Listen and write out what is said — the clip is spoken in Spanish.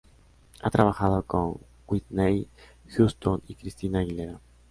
Ha trabajado con Whitney Houston y Christina Aguilera.